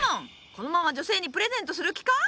このまま女性にプレゼントする気か？